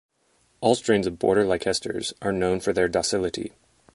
All strains of Border Leicesters are known for their docility.